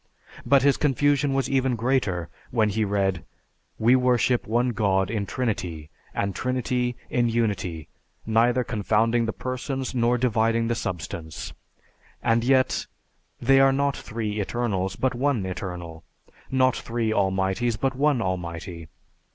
But his confusion was even greater when he read, "We worship one God in Trinity, and Trinity in Unity, neither confounding the Persons nor dividing the substance and yet, they are not three Eternals, but One Eternal, not three Almighties, but One Almighty.